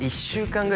１週間！？